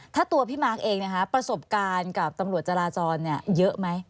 ถ้าตัวพี่มาร์คเองนะคะประสบการณ์กับตำรวจจราจรเยอะไหม